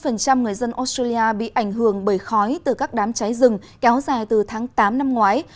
ba mươi người dân australia bị ảnh hưởng bởi khói từ các đám cháy rừng kéo dài từ tháng tám năm ngoái